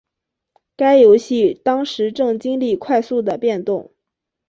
该游戏当时正经历快速的变动。